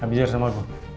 kamisir sama aku